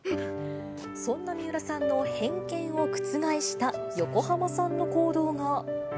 そんな三浦さんの偏見を覆した横浜さんの行動が。